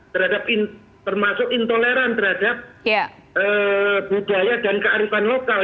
terhadap termasuk intoleran terhadap budaya dan kearifan lokal